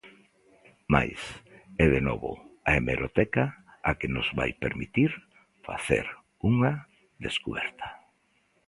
Máis é de novo a hemeroteca a que nos vai permitir facer unha descuberta.